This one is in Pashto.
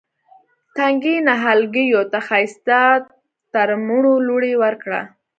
تنکي نهالګیو ته ښایسته ترمڼو لوڼې ورکړه